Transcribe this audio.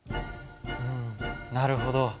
うんなるほど。